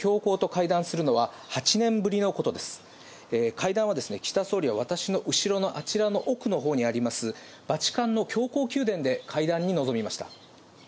会談は、岸田総理は私の後ろのあちらの奥のほうにあります、バチカンの教皇宮殿で会談に臨みました。